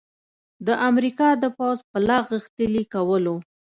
د امریکا د پوځ په لاغښتلي کولو